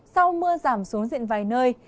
sau mưa giảm xuống diện vài nơi